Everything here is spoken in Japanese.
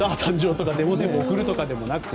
デモテープを送るとかでもなくて。